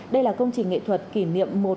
đây là công trình nghệ thuật kỷ niệm